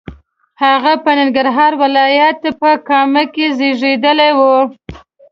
هغه په ننګرهار ولایت په کامه کې زیږېدلی و.